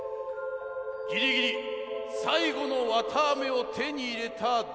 ギリギリさいごのわたあめをてにいれた